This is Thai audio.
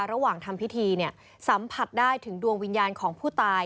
ระหว่างทำพิธีเนี่ยสัมผัสได้ถึงดวงวิญญาณของผู้ตาย